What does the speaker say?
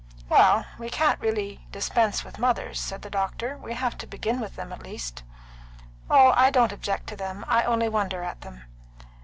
"Well, we can't very well dispense with mothers," said the doctor. "We have to begin with them, at any rate." "Oh, I don't object to them. I only wonder at them."